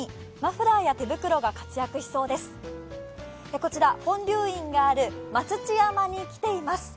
こちら本龍院がある待乳山に来ています。